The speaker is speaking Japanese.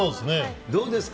どうですか？